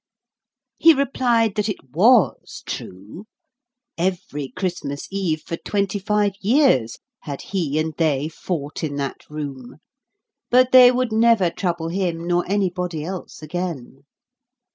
He replied that it WAS true. Every Christmas Eve, for twenty five years, had he and they fought in that room; but they would never trouble him nor anybody else again.